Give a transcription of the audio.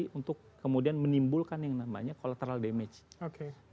potensi untuk kemudian menimbulkan yang namanya kolateral damage